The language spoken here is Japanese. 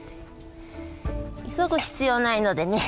急ぐ必要ないのでね。